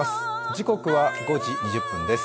時刻は５時２０分です。